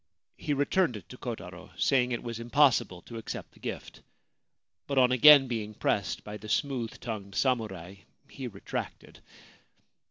He returned it to Kotaro, saying that it was impossible to accept the gift ; but on again being pressed by the smooth tongued samurai he retracted.